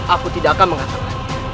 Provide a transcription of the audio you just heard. aku tidak akan mengatakan